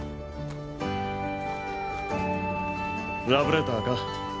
ラブレターか？